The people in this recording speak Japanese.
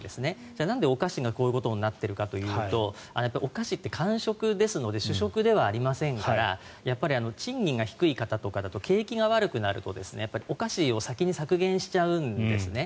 じゃあ、なんでお菓子がこういうことになっているかというとお菓子って間食ですので主食ではありませんからやっぱり賃金が低い方とかだと景気が悪くなるとお菓子を先に削減しちゃうんですね。